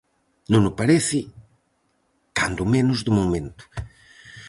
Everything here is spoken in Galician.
Non o parece, cando menos de momento.